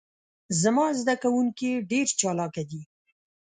زما ذده کوونکي ډیر چالاکه دي.